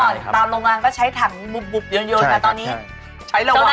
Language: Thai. เมื่อก่อนตามโรงงานก็ใช้ถังบุบเยอะแล้วตอนนี้